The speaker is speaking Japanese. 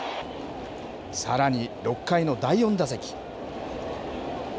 さらに６回の第４打席。